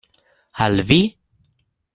Al vi?